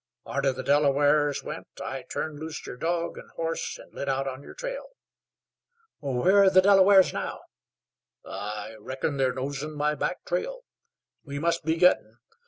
Arter the Delawares went I turned loose yer dog an' horse an' lit out on yer trail.'' "Where are the Delawares now?" "I reckon there nosin' my back trail. We must be gittin'.